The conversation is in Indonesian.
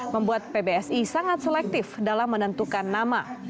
membuat pbsi sangat selektif dalam menentukan nama